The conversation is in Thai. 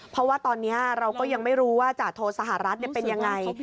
เพราะว่าตอนนี้เราก็ยังไม่รู้ว่าจาโทสหรัฐเป็นยังไง